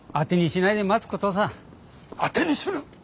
当てにする！